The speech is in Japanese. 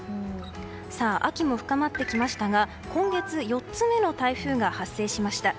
秋も深まってきましたが今月４つ目の台風が発生しました。